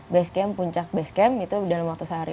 base camp puncak base camp itu dalam waktu sehari